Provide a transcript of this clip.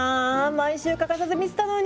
毎週欠かさず見てたのに。